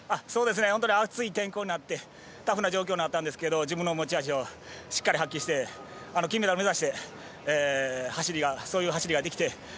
本当に暑い天候になってタフな状況だったんですけど自分の持ち味をしっかり発揮して金メダル目指してそういう走りができて。